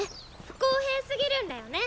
不公平すぎるんらよね！